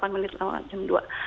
delapan menit jam dua